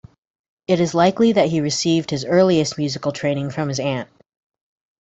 It is likely that he received his earliest musical training from his aunt.